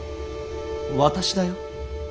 私だよ